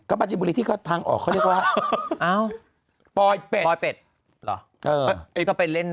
ก็ปลาจีนบุรีที่ทางออกเขาเรียกว่าปลอยเป็ด